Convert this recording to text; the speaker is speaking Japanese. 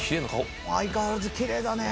相変わらずきれいだねえ！